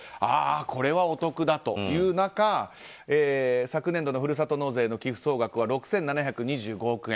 これはお得だという中昨年度のふるさと納税の寄付総額は６７２５億円。